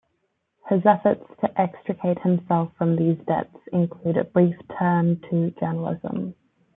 His efforts to extricate himself from these debts include a brief turn to journalism.